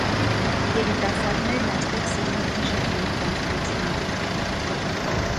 Երիտասարդներն այստեղ սիրում էին ժամանակ անցկացնել։